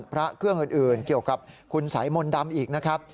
พระเครื่องอื่นเกี่ยวกับคุณสายมนต์ดำอีกนะครับ